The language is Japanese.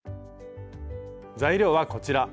材料はこちら。